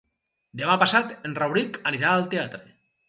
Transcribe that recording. Demà passat en Rauric anirà al teatre.